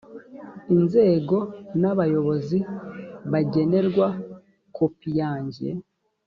inzego n abayobozi bagenerwa kopi yanjye